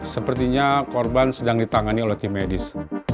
sepertinya korban sedang ditangani oleh tim medis